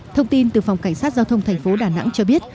thông tin từ phòng cảnh sát giao thông thành phố đà nẵng cho biết